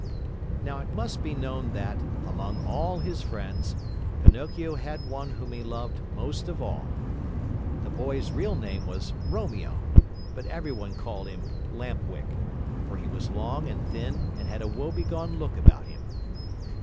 Now it must be known that, among all his friends, Pinocchio had one whom he loved most of all. The boy's real name was Romeo, but everyone called him Lamp Wick, for he was long and thin and had a woebegone look about him.